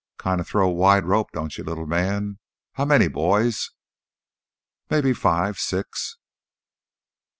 "Kinda throw a wide rope, don't you, little man? How many 'boys'?" "Maybe five ... six...."